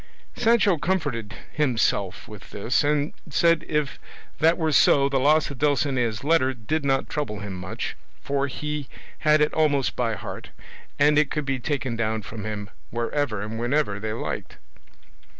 Sancho comforted himself with this, and said if that were so the loss of Dulcinea's letter did not trouble him much, for he had it almost by heart, and it could be taken down from him wherever and whenever they liked.